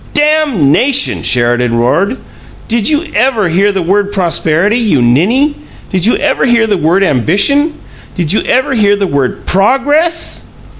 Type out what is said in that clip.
"Damnation!" Sheridan roared. "Did you ever hear the word Prosperity, you ninny? Did you ever hear the word Ambition? Did you ever hear the word PROGRESS?"